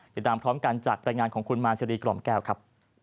ติดตามพร้อมกันจากรายงานของคุณมานซีรีกล่อมแก้วครับ